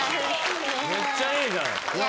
めっちゃいいじゃん。